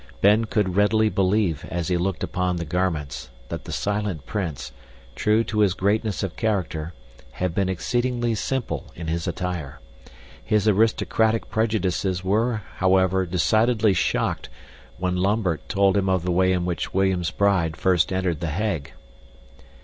Ben could readily believe, as he looked upon the garments, that the Silent Prince, true to his greatness of character, had been exceedingly simple in his attire. His aristocratic prejudices were, however, decidedly shocked when Lambert told him of the way in which William's bride first entered The Hague.